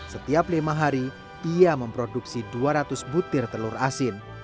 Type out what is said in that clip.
setiap lima hari ia memproduksi dua ratus butir telur asin